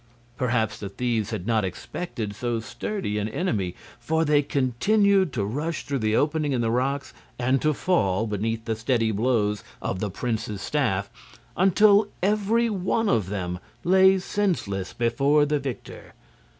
Perhaps the thieves had not expected so sturdy an enemy, for they continued to rush through the opening in the rocks and to fall beneath the steady blows of the prince's staff until every one of them lay senseless before the victor.